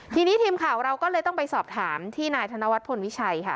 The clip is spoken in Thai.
ทีนี้ทีมข่าวเราก็เลยต้องไปสอบถามที่นายธนวัฒนพลวิชัยค่ะ